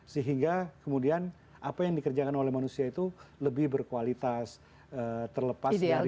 sehingga kemudian apa yang dikerjakan oleh manusia itu lebih berkualitas terlepas dari